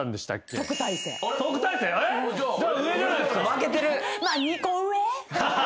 負けてる。